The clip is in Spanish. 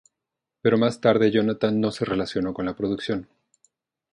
Pero más tarde Jonathan no se relacionó con la producción.